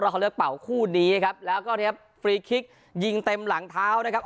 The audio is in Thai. เขาเลือกเป่าคู่นี้ครับแล้วก็เรียบฟรีคิกยิงเต็มหลังเท้านะครับ